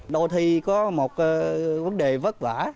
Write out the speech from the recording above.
đôi khi có một vấn đề vất vả